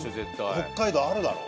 北海道あるだろう。